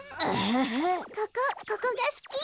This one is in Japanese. ここここがすき。